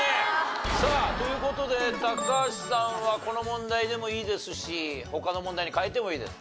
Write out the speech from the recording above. さあという事で高橋さんはこの問題でもいいですし他の問題に変えてもいいです。